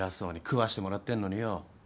食わしてもらってんのによ。